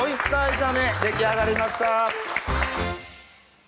出来上がりました。